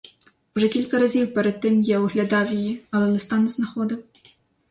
Уже кілька разів перед тим я оглядав її, але листа не знаходив.